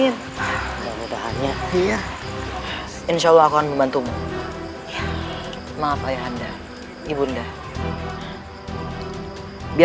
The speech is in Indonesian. tuhan yang terbaik